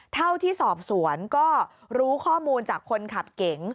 เท่าที่สอบสวนก็รู้ข้อมูลจากคนขับเก๋ง